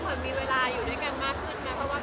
มีเวลาอยู่ด้วยกันมากขึ้นไหม